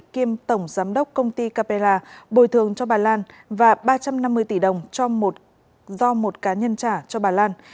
kiêm tổng giám đốc công ty capella bồi thường cho bà lan và ba trăm năm mươi tỷ đồng do một cá nhân trả cho bà lan